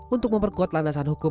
untuk memperkuat landasan hukum